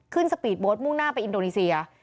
ขึ้นสปีดโบ๊ทมุ่งหน้าไปอินโดนีเซีย